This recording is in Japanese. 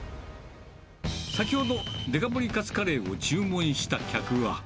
先ほど、デカ盛りカツカレーを注文した客は。